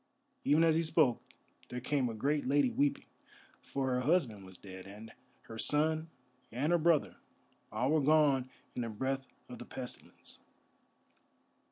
Even as he spoke there came a great lady weeping, for her husband was dead, and her son and her brother, all were gone in the breath of the pestilence.